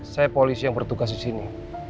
saya polisi yang bertugas di sini